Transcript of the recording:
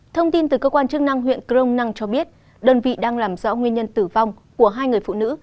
thông tin từ cơ quan chức năng huyện crong năng cho biết đơn vị đang làm rõ nguyên nhân tử vong của hai người phụ nữ